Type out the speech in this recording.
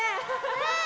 うん！